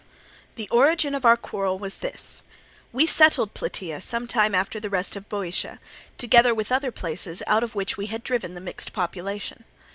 "The origin of our quarrel was this. We settled Plataea some time after the rest of Boeotia, together with other places out of which we had driven the mixed population.